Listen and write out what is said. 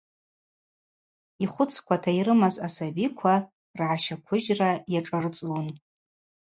Йхвыцквата йрымаз асабиква ргӏащаквыжьра йашӏарцӏун.